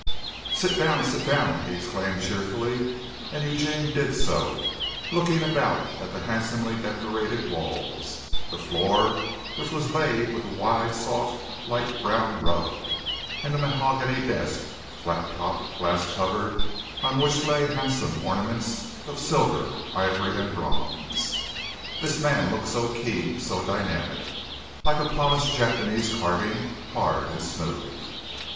"Sit down! Sit down!" he exclaimed cheerfully and Eugene did so, looking about at the handsomely decorated walls, the floor which was laid with a wide, soft, light brown rug, and the mahogany desk, flat topped, glass covered, on which lay handsome ornaments of silver, ivory and bronze. This man looked so keen, so dynamic, like a polished Japanese carving, hard and smooth.